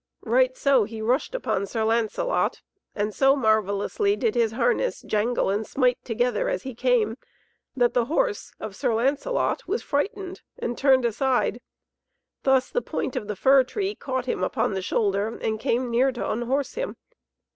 Right so he rushed upon Sir Lancelot, and so marvellously did his harness jangle and smite together as he came, that the horse of Sir Lancelot was frighted and turned aside. Thus the point of the fir tree caught him upon the shoulder and came near to unhorse him.